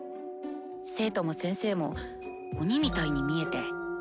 生徒も先生も鬼みたいに見えて。